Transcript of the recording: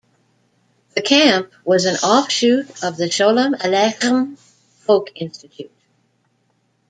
The camp was an offshoot of The Sholem Aleichem Folk Institute.